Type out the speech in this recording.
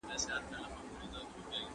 کمپيوټر ياداښتونه جوړوي.